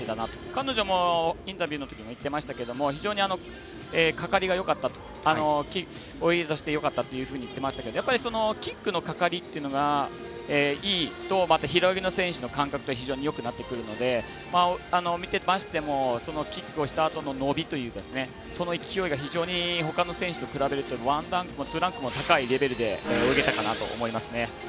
彼女もインタビューのときに言ってましたけど非常にかかりがよかったと泳ぎとしてよかったというふうに言ってましたけどキックのかかりっていうのがいいと平泳ぎの選手の感覚ってまたよくなってくるので見てましてもキックをしたあとの伸びというのがその勢いが非常にほかの選手と比べるとワンランクもツーランクも高いレベルで泳げたかなと思いますね。